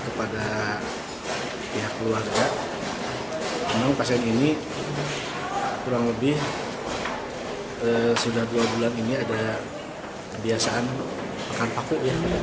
memang pasien ini kurang lebih sudah dua bulan ini ada kebiasaan makan paku